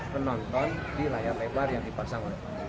menonton di layar lebar yang dipasang